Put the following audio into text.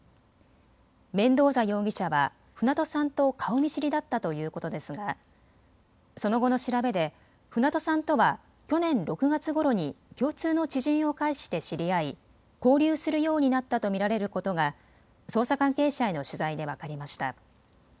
メンドーザ容疑者は船戸さんと顔見知りだったということですがその後の調べで船戸さんとは去年６月ごろに共通の知人を介して知り合い交流するようになったと見られることが捜査関係者への取材で分かりました。